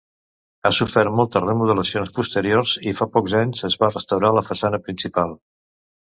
Ha sofert moltes remodelacions posteriors i fa pocs anys es va restaurar la façana principal.